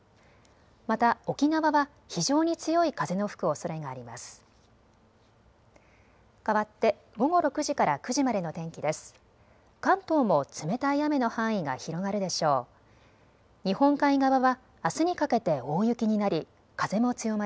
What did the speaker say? また沖縄は非常に強い風の吹くおそれがあります。